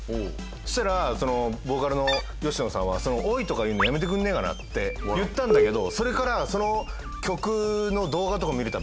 そしたらボーカルの吉野さんは「オイ！」とか言うのやめてくんねえかなって言ったんだけどそれから。